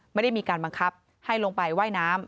ไม่ได้มีการบังคับให้ลงไปว่ายน้ำ